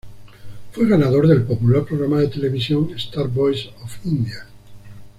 Fue ganador del popular programa de televisión "Star Voice of India".